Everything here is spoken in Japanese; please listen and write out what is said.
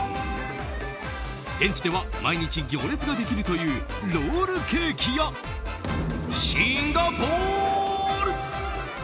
現地では毎日行列ができるというロールケーキやシンガポール！